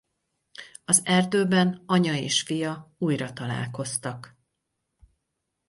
Az erdőben anya és fia újra találkoztak.